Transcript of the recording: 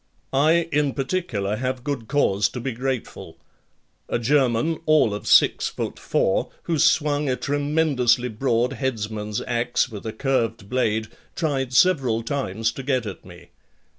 I in particular have good cause to be grateful. A German, all of six foot four, who swung a tremendously broad headsman's axe with a curved blade, tried several times to get at me.